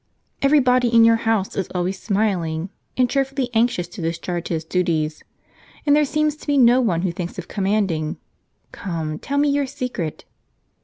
Every body in your house is always smiling, and cheerfully anxious to discharge his duty. And there seems to be no one who thinks of com manding. Come, tell me your secret."